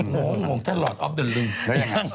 หงวงท่านหลอดอ๊อฟเดอรึง